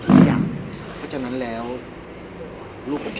พี่อัดมาสองวันไม่มีใครรู้หรอก